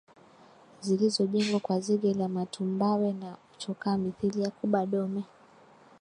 zilizojengwa kwa zege la matumbawe na chokaa mithili ya kuba dome